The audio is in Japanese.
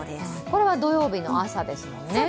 これは土曜日の朝ですもんね。